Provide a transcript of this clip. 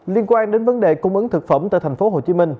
liên quan đến vấn đề cung ứng thực phẩm tại tp hcm